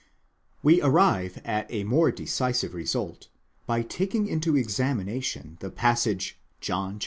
We arrive at a more decisive result by taking into examination the passage John iii.